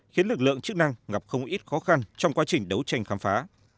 khiến lực lượng chức năng gặp không ít khó khăn trong quá trình đấu tranh khám phá